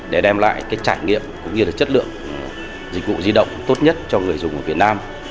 để đem lại cái trải nghiệm cũng như là chất lượng dịch vụ di động tốt nhất cho người dùng ở việt nam